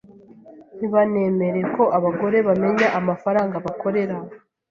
ntibanemere ko abagore bamenya amafaranga bakorera.